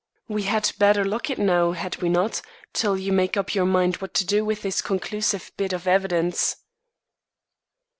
We had better lock it, now, had we not, till you make up your mind what to do with this conclusive bit of evidence."